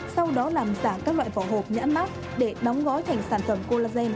sau đó làm giả các loại vỏ hộp nhãn mát để đóng gói thành sản phẩm collagen